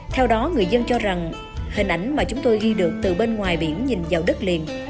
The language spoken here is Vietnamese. theo đó người dân cho rằng hình ảnh mà chúng tôi ghi được từ bên ngoài biển nhìn vào đất liền